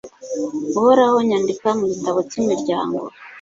Uhoraho yandika mu gitabo cy’imiryango